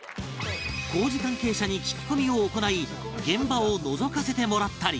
工事関係者に聞き込みを行い現場をのぞかせてもらったり